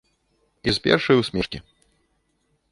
І з першай усмешкі.